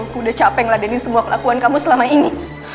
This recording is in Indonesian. aku udah capek ngeladenin semua kelakuan kamu selama ini